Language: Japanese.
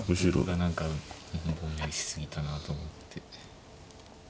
何かぼんやりし過ぎたなと思って。